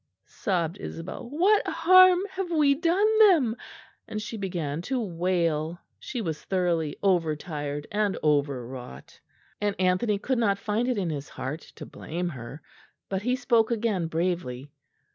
sobbed Isabel. "What harm have we done them?" and she began to wail. She was thoroughly over tired and over wrought; and Anthony could not find it in his heart to blame her; but he spoke again bravely.